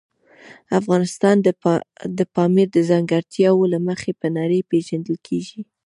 افغانستان د پامیر د ځانګړتیاوو له مخې په نړۍ پېژندل کېږي.